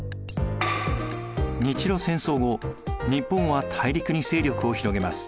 日露戦争後日本は大陸に勢力を広げます。